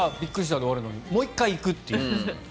で終わるのにもう１回行くっていう。